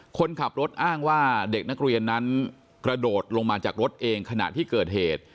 คนขับรถอ้างว่าเด็กนักเรียนนั้นกระโดดลงมาจากรถเองขณะที่เกิดเหตุ